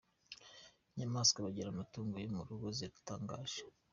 Inyamaswa bagira amatungo yo mu rugo ziratangaje.